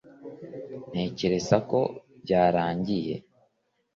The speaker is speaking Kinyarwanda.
ntekereza ko byarangiye